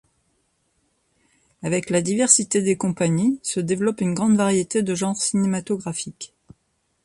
Avec la diversité des compagnies, se développe une grande variété de genres cinématographiques.